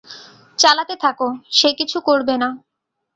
চালাতে থাকো, সে কিছু করবে না।